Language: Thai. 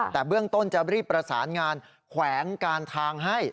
แต่เบื้องต้นจะรีบประสานงานแขวงการทางให้